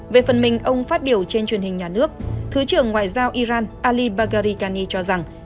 về phần mình ông phát biểu trên truyền hình nhà nước thứ trưởng ngoại giao iran ali bagari kani cho rằng